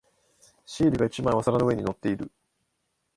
シールが一枚お皿の上に乗っている。